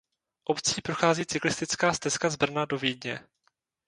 Obcí prochází cyklistická stezka z Brna do Vídně.